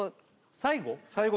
最後？